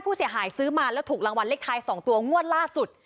ผู้เสียหายซื้อมาแล้วถูกรางวัลเลขทาย๒ตัวงวดล่าสุด